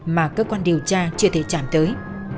mà cơ quan điều tra chưa thể chạm tới